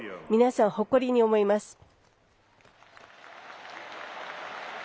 皆さんを誇りに思います。